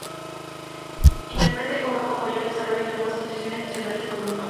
Interprete Europe apoya el desarrollo de nuevas asociaciones nacionales en Europa.